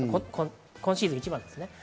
今シーズンの一番です。